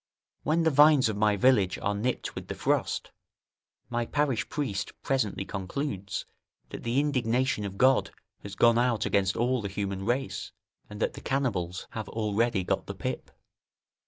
When the vines of my village are nipped with the frost, my parish priest presently concludes, that the indignation of God has gone out against all the human race, and that the cannibals have already got the pip.